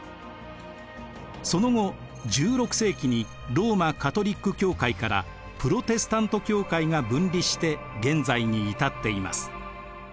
その後１６世紀にローマ・カトリック教会からプロテスタント教会が分離して現在に至っています。